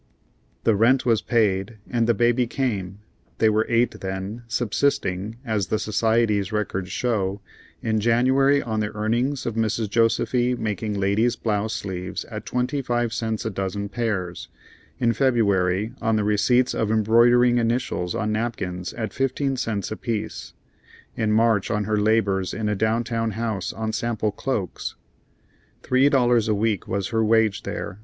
The rent was paid, and the baby came. They were eight then, subsisting, as the society's records show, in January on the earnings of Mrs. Josefy making ladies' blouse sleeves at twenty five cents a dozen pairs, in February on the receipts of embroidering initials on napkins at fifteen cents apiece, in March on her labors in a downtown house on sample cloaks. Three dollars a week was her wage there.